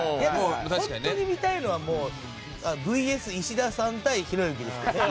本当に見たいのはもうＶＳ石田さん対ひろゆきですけどね。